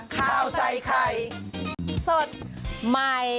ข้าวใส่ไข่